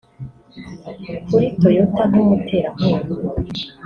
Kuri Toyota nk’umuterankunga